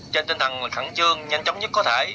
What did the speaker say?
trên tinh thần khẳng trương nhanh chóng nhất có thể